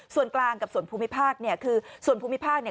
ส่วนกลางกับส่วนภูมิภาคเนี่ยคือส่วนภูมิภาคเนี่ย